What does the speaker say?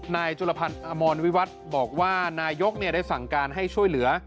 นายจุลพันธ์อมรวิวัตรบอกว่านายกได้สั่งการให้ช่วยเหลือ